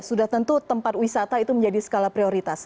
sudah tentu tempat wisata itu menjadi skala prioritas